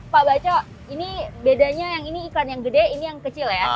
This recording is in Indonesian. pak baco ini bedanya yang ini ikan yang gede ini yang kecil ya